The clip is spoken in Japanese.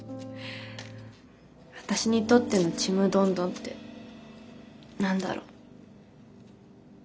私にとってのちむどんどんって何だろう。